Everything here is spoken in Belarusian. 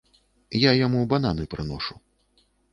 Я яму бананы прыношу.